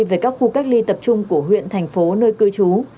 về các khu cách ly tập trung của huyện thành phố nơi cư trú